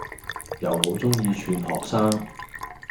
又好鍾意串學生⠀